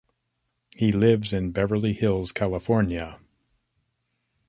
He lives in Beverly Hills, California.